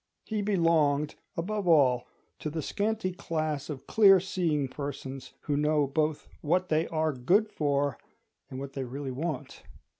He belonged, above all, to the scanty class of clear seeing persons who know both what they are good for and what they really want.